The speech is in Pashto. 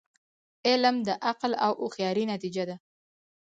علم د عقل او هوښیاری نتیجه ده.